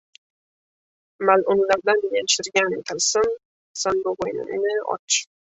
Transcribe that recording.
Mal’unlardan yashirgan tilsim sandug‘ingni och